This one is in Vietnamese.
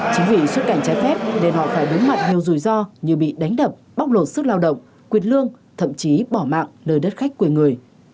chính vì xuất cảnh trái phép nên họ phải đối mặt nhiều rủi ro như bị đánh đập bóc lột sức lao động quyền lương thậm chí bỏ mạng nơi đất khách quê người